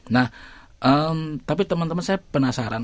nah tapi teman teman saya penasaran